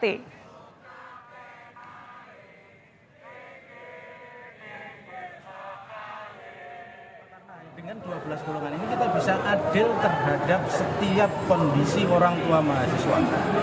dengan dua belas golongan ini kita bisa adil terhadap setiap kondisi orang tua mahasiswa